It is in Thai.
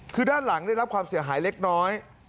คือด้านหลังได้รับความเสียหายเล็กน้อย